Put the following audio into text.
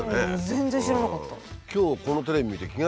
全然知らなかった。